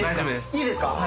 いいですか？